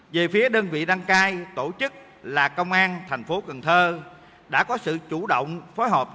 về phía đơn vị đăng cai tổ chức là công an tp hcm